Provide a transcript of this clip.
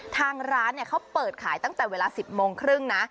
ทางร้านเขาเปิดขายตั้งแต่เวลา๑๐โมงครึ่งนะ